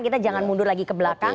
kita jangan mundur lagi ke belakang